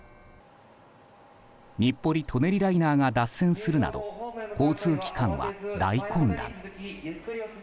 日暮里・舎人ライナーが脱線するなど交通機関は大混乱。